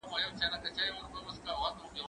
زدکړه د ښوونکي له خوا ښوول کيږي؟!